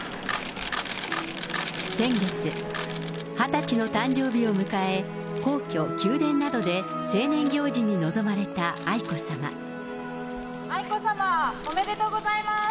先月、２０歳の誕生日を迎え、皇居、宮殿などで成年行事に臨まれた愛子さま。